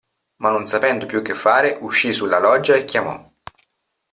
Ma non sapendo più che fare, uscì sulla loggia e chiamò.